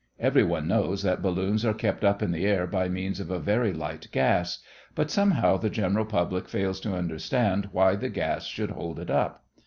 Every one knows that balloons are kept up in the air by means of a very light gas, but somehow the general public fails to understand why the gas should hold it up.